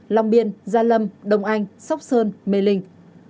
long biên gia lâm đông anh sóc sơn mê linh